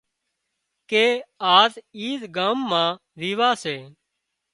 ڪي آز اِي ڳام مان ويواه سي